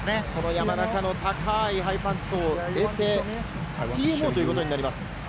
山中の高いハイパントを得て、ＴＭＯということになります。